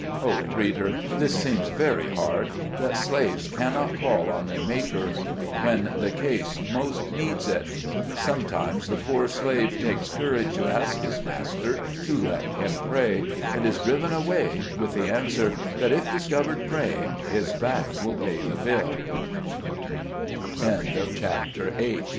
Oh, reader! this seems very hard — that slaves cannot call on their Maker, when the case most needs it. Sometimes the poor slave takes courage to ask his master to let him pray, and is driven away, with the answer, that if discovered praying, h